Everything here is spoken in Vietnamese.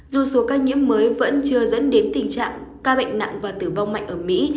dù số ca nhiễm mới vẫn chưa dẫn đến tình trạng ca bệnh nặng và tử vong mạnh ở mỹ